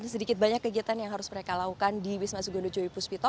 sedikit banyak kegiatan yang harus mereka lakukan di wisma sugondo joy puspito